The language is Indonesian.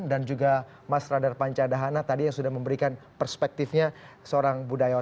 dan juga mas radar pancadhana tadi yang sudah memberikan perspektifnya seorang budayawan